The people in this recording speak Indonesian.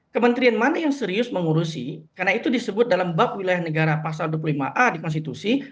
kementerian mana yang serius mengurusi karena itu disebut dalam bab wilayah negara pasal dua puluh lima a di konstitusi